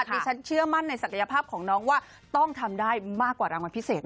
ดิฉันเชื่อมั่นในศักยภาพของน้องว่าต้องทำได้มากกว่ารางวัลพิเศษ